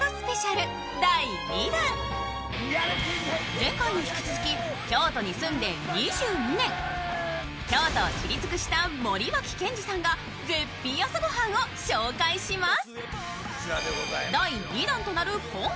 前回に引き続き京都に住んで２２年京都を知り尽くした森脇健治さんが絶品朝ご飯を紹介します。